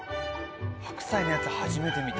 白菜のやつ初めて見た。